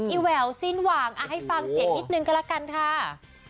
ไอ้แหววสิ้นหว่างเอาให้ฟังเสียงนิดนึงกันล่ะกันค่ะ